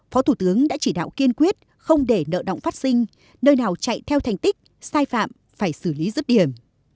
phó thủ tướng đã chỉ đạo kiên quyết không để nợ động phát sinh nơi nào chạy theo thành tích sai phạm phải xử lý rứt điểm